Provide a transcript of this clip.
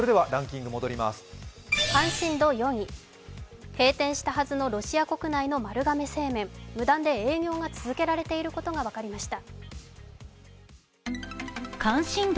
関心度４位、閉店したはずのロシアの丸亀製麺無断で営業が続けられていることが分かりました。